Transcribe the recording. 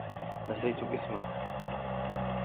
نسيت اسمه.